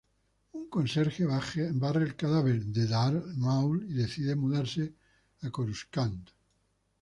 Un conserje barre el cadáver de Darth Maul y decide mudarse a Coruscant.